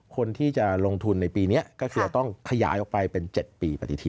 คนที่จะลงทุนในปีนี้ก็คือจะต้องขยายออกไปเป็น๗ปีปฏิทิ